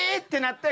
って。